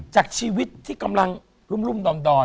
จากชีวิตที่กำลังรุ่มดอน